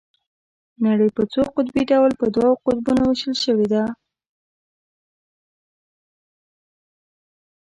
نړۍ په څو قطبي ډول په دوو قطبونو ويشل شوې ده.